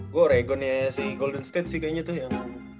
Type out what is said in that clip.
gue oregonnya si golden state sih kayaknya tuh yang